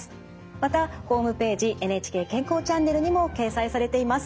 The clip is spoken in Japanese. またホームページ「ＮＨＫ健康チャンネル」にも掲載されています。